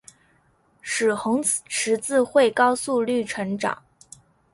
使红十字会高速率成长。